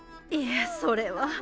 いやそれは。